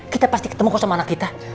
kita pasti ketemu sama anak kita